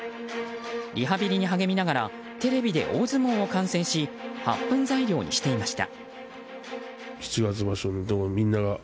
リハビリに励みながらテレビで大相撲を観戦し発憤材料にしていました。